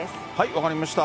分かりました。